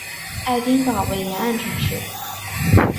爱丁堡为沿岸城市。